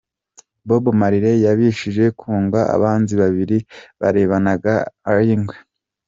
Bob Marley yabashije kunga abanzi babiri barebanaga ay’ingwe.